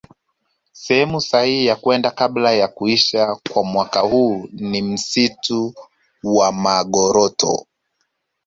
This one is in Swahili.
Sehemu sahihi ya kwenda kabla ya kuisha kwa mwaka huu ni msitu wa Magoroto